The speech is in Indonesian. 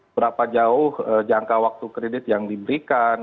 berapa jauh jangka waktu kredit yang diberikan